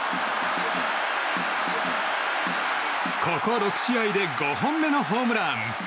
ここ６試合で５本目のホームラン。